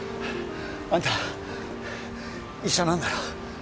あんた医者なんだろ